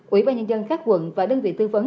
ủy ban nhân dân các quận và đơn vị tư vấn